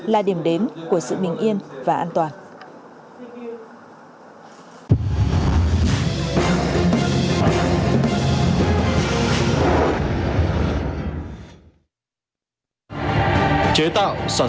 là điểm đến của sự bình yên và an toàn